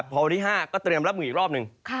พอวันที่๕ก็เตรียมรับมืออีกรอบหนึ่ง